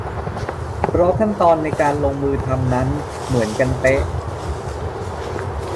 เพราะขั้นตอนในการลงมือทำนั้นเหมือนกันเป๊ะ